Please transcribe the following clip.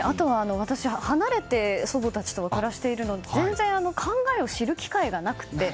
私は離れて祖母たちと暮らしているので全然、考えを知る機会がなくて。